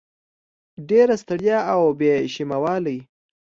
ډېره ستړیا او بې شیمه والی